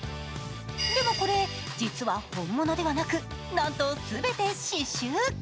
でもこれ、実は本物ではなくなんと全て刺しゅう。